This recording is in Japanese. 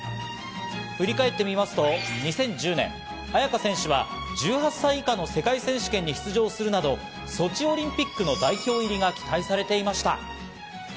振り返ってみますと、２０１０年、亜矢可選手は１８歳以下の世界選手権に出場するなど、ソチオリンピックの代表入りが期待されていました。